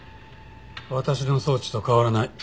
私の装置と変わらない。